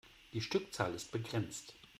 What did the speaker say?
Die Stückzahl ist begrenzt.